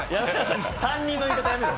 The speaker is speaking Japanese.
担任の言い方やめろ。